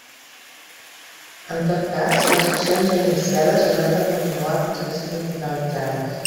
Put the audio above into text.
En tot cas, les accions ja iniciades hauran de continuar fins que siguen finalitzades.